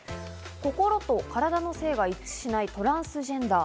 心と体の性が一致しないトランスジェンダー。